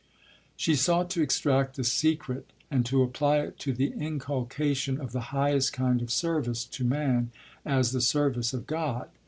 She sought to extract the secret, and to apply it to the inculcation of the highest kind of service to man as the service of God.